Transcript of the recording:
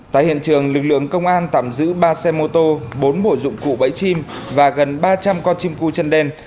tại hiện trường lực lượng công an tạm giữ ba xe mô tô bốn bộ dụng cụ bẫy chim và gần ba trăm linh con chim cu chân đen